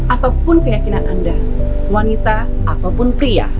ataupun keyakinan anda wanita ataupun pria